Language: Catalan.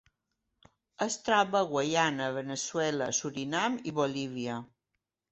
Es troba a Guyana, Veneçuela, Surinam i Bolívia.